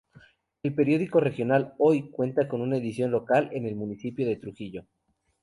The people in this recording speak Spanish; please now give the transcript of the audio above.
El periódico regional "Hoy" cuenta con una edición local en el municipio de Trujillo.